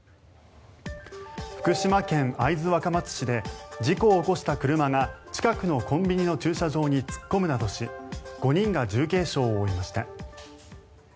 福島県会津若松市で事故を起こした車が近くのコンビニの駐車場に突っ込むなどし５人が重軽傷を負いました。